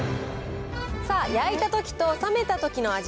さあ、焼いたときと冷めたときの味